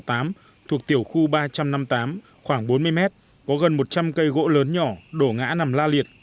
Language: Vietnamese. thuộc tiểu khu ba trăm năm mươi tám khoảng bốn mươi mét có gần một trăm linh cây gỗ lớn nhỏ đổ ngã nằm la liệt